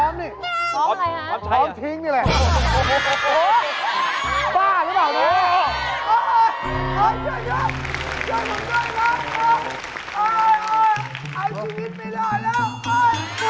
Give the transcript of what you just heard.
โอ้โฮเอาชีวิตไปแล้วแล้วโอ้โฮ